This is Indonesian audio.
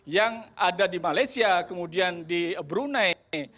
yang ada di malaysia kemudian di brunei